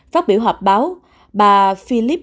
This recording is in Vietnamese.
phát biểu họp báo bà philip